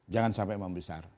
jangan sampai membesar